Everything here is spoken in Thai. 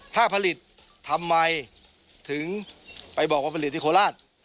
ถ้าผลิตทำไมถึงไปบอกว่าผลิตที่โคราช